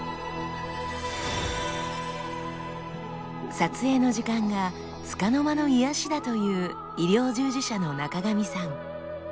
撮影の時間がつかの間の癒やしだという医療従事者の中神さん。